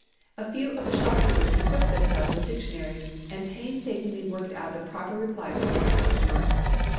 A few of the shopkeepers equipped themselves with dictionaries and painstakingly worked out the proper reply for each customer.